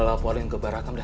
gue laporin ke barakam deh